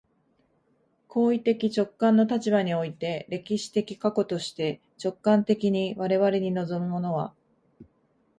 行為的直観の立場において、歴史的過去として、直観的に我々に臨むものは、